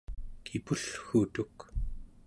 kipullgutuk